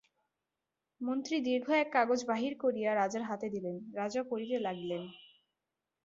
মন্ত্রী দীর্ঘ এক কাগজ বাহির করিয়া রাজার হাতে দিলেন, রাজা পড়িতে লাগিলেন।